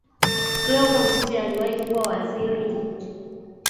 Cleopa Msuya aliyewahi kuwa Waziri Mkuu